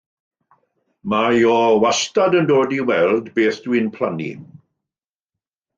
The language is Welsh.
Mae o wastad yn dod i weld beth dw i'n plannu.